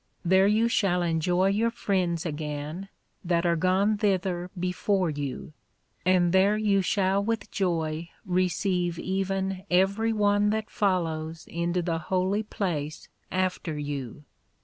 There you shall enjoy your friends again, that are gone thither before you; and there you shall with joy receive even every one that follows into the holy place after you.